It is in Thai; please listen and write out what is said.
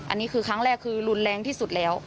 อันนี้คือครั้งแรกคือรุนแรงที่สุดแล้ว